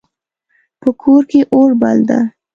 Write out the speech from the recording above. په کور کې اور بل ده